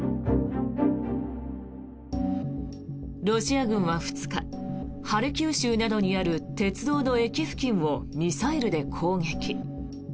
ロシア軍は２日ハルキウ州などにある鉄道の駅付近をミサイルで攻撃。